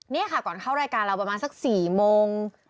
นี่ค่ะก่อนเข้ารายการเราประมาณสัก๔โมง